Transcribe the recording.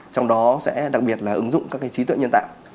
trong đó sẽ đặc biệt là ứng dụng các trí tuệ nhân tạo